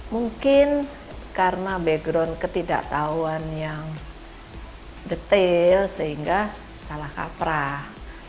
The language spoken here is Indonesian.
mungkin karena background ketidaktahuan yang detail sehingga salah kaprah